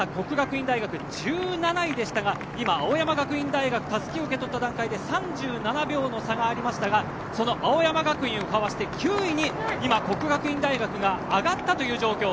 國學院大學１７位でしたが、今青山学院大学たすきを受けた段階で３７秒の差がありましたがその青山学院をかわして９位に國學院大學が上がったという状況。